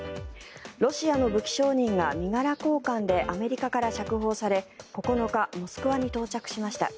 ロシアの武器商人が身柄交換でアメリカから釈放され９日、モスクワに到着しました。